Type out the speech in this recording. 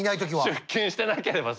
出勤してなければ。